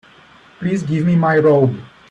Please give me my robe.